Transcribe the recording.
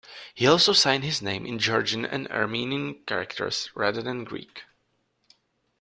He also signed his name in Georgian and Armenian characters rather than Greek.